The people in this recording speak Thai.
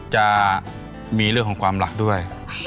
จะมีเรื่องของความรักด้วย